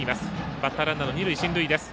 バッターランナー二塁、進塁です。